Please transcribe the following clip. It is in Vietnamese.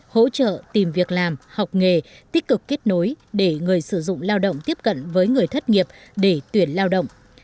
hỗ trợ tìm việc làm học nghề tích cực kết nối để người sử dụng lao động tiếp cận với người thất nghiệp để tuyển lao động